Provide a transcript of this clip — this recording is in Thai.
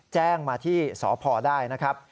แจ้งมาที่สพได้นะครับ